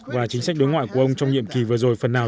và chính sách đối ngoại của ông chẳng hạn như thế nào